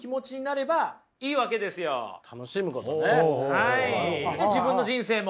はい自分の人生も。